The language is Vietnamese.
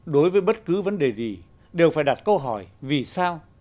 đối với bất cứ vấn đề gì đều phải đặt câu hỏi vì sao